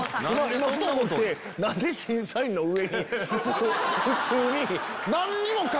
今ふと思って何で審査員の上に普通に。